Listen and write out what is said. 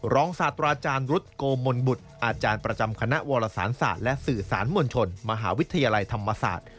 ศาสตราอาจารย์รุษโกมนบุตรอาจารย์ประจำคณะวรสารศาสตร์และสื่อสารมวลชนมหาวิทยาลัยธรรมศาสตร์